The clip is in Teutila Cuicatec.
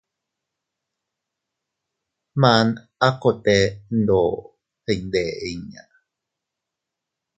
Maan a kote ndo iyndeʼe inña.